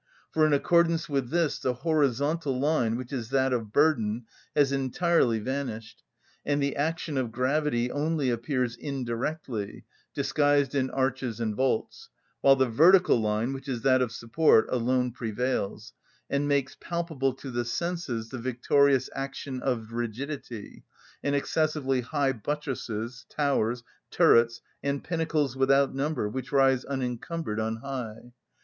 For in accordance with this the horizontal line which is that of burden has entirely vanished, and the action of gravity only appears indirectly, disguised in arches and vaults, while the vertical line which is that of support, alone prevails, and makes palpable to the senses the victorious action of rigidity, in excessively high buttresses, towers, turrets, and pinnacles without number which rise unencumbered on high.